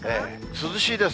涼しいです。